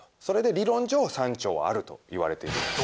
それで理論上３兆はあるといわれている。